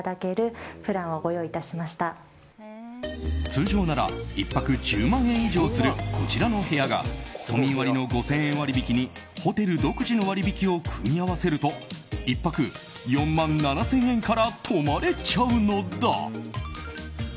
通常なら１泊１０万円以上するこちらの部屋が都民割の５０００円割引にホテル独自の割引を組み合わせると１泊４万７０００円から泊まれちゃうのだ。